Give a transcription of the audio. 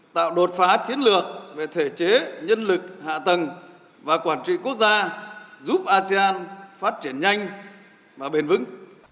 tạo đột phá chiến lược về thể chế nhân lực hạ tầng và quản trị quốc gia giúp asean phát triển nhanh và bền vững